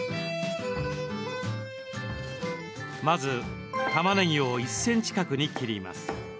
まず、たまねぎを１ｃｍ角に切ります。